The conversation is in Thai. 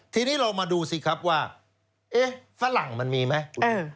ทีนี้เรามาดูสิครับว่าเอ๊ะฝรั่งมันมีไหม